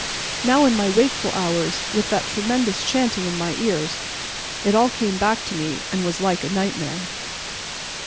Now in my wakeful hours, with that tremendous chanting in my ears, it all came back to me and was like a nightmare.